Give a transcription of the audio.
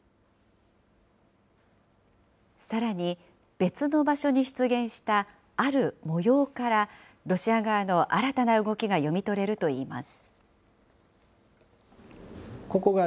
別の場所に出現した、ある模様から、ロシア側の新たな動きが読み取れるといいます。